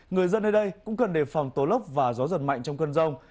người dân nơi đây cũng cần đề phòng tố lốc và gió giật mạnh trong cơn rông